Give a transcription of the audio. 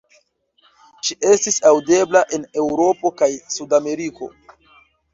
Ŝi estis aŭdebla en Eŭropo kaj Sud-Ameriko.